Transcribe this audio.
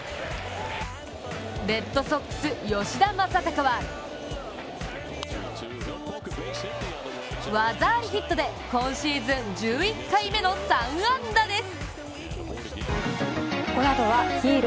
レッドソックス・吉田正尚は技ありヒットで今シーズン１１回目の３安打です。